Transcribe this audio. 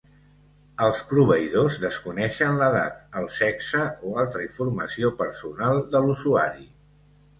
Els proveïdors desconeixen l'edat, el sexe o altra informació personal de l'usuari.